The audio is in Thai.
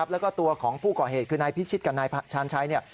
แล้วก็ตัวของผู้ก่อเหตุคือนายพิชิตกับนายชาญชัย